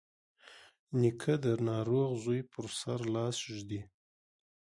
نیکه د ناروغ زوی پر سر لاس ږدي.